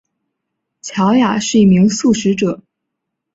乔雅是一名素食者。